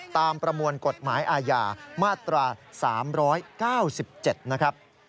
ประมวลกฎหมายอาญามาตรา๓๙๗นะครับ